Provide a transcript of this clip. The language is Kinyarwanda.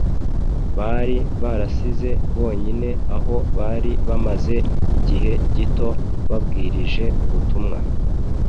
bari barasize bonyine aho bari bamaze igihe gito babwirije ubutumwa.